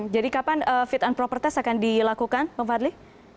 jadi kapan fit and proper test akan dilakukan bang fadli